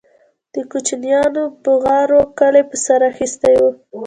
د كوچنيانو بوغارو كلى په سر اخيستى و.